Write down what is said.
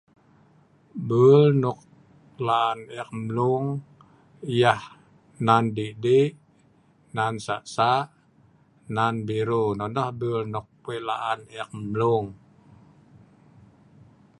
Bul nok laan eek mlung, yah nan dik dik ngan sak sak ngan biru, nonoh bul nok wei' laan eek mlung